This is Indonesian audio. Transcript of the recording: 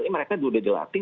mereka dulu sudah dilatih